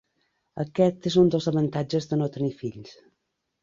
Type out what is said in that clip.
Aquest és un dels avantatges de no tenir fills.